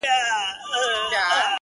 ستا شاعرۍ ته سلامي كومه _